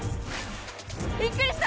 びっくりした。